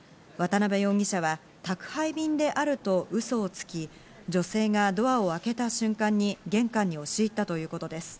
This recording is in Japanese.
渡辺容疑者は宅配便であるとうそをつき、女性がドアを開けた瞬間に玄関に押し入ったということです。